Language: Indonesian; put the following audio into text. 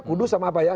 kudus sama apa ya